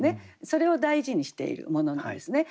それを大事にしているものなんですね。